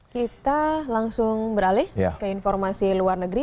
kita langsung beralih ke informasi luar negeri